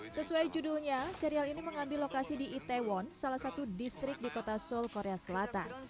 sesuai judulnya serial ini mengambil lokasi di itaewon salah satu distrik di kota seoul korea selatan